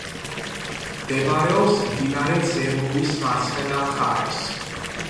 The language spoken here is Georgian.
მდებარეობს მდინარე ძევრულის მარცხენა მხარეს.